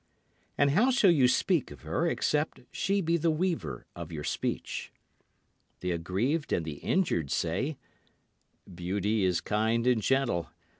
And how shall you speak of her except she be the weaver of your speech? The aggrieved and the injured say, "Beauty is kind and gentle.